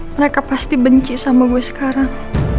mereka pasti benci sama gue sekarang